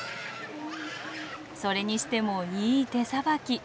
それにしてもいい手さばき。